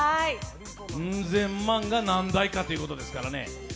うん千万が何台かということですからね。